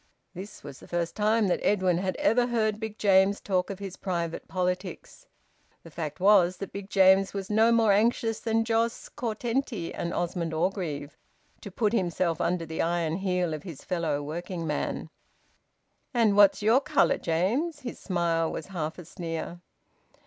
This was the first time that Edwin had ever heard Big James talk of his private politics. The fact was that Big James was no more anxious than Jos Curtenty and Osmond Orgreave to put himself under the iron heel of his fellow working man. "And what's your colour, James?" His smile was half a sneer.